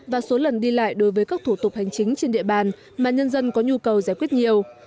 và số lần đi lại đối với các thủ tục hành chính trên địa bàn mà nhân dân có nhu cầu giải quyết nhiều